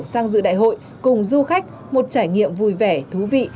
sang dự đại hội cùng du khách một trải nghiệm vui vẻ thú vị